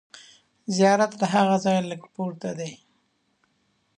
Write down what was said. زیارت له هغه ځایه لږ پورته دی.